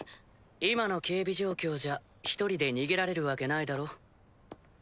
今の警備状況じゃ一人で逃げられるわけないだろ。